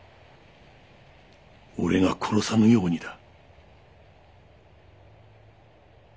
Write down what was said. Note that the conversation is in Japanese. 俺が殺さぬようにだ。